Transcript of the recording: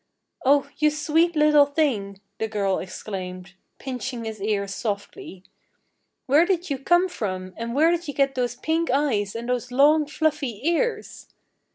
"Oh, you sweet little thing!" the girl exclaimed, pinching his ears softly. "Where did you come from, and where did you get those pink eyes and those long, fluffy ears?"